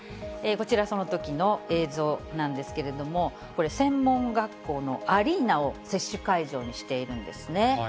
こちら、そのときの映像なんですけれども、これ、専門学校のアリーナを接種会場にしているんですね。